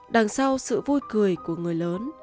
đằng sau sự vui cười của người lớn